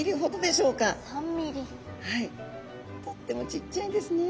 とってもちっちゃいんですね。